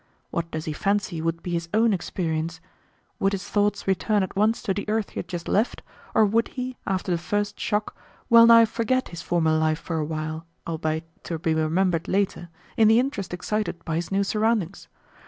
What does he fancy would be his own experience? Would his thoughts return at once to the earth he had just left, or would he, after the first shock, wellnigh forget his former life for a while, albeit to be remembered later, in the interest excited by his new surroundings?